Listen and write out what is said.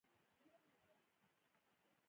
مریتوب لغوه او تور پوستو ته سیاسي حقوق ورکړل شول.